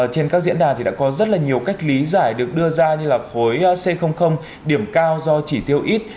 trên các diễn đàn thì đã có rất là nhiều cách lý giải được đưa ra như là khối c điểm cao do chỉ tiêu ít